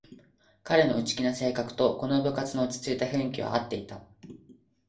彼の内気な性格とこの部活の落ちついた雰囲気はあっていた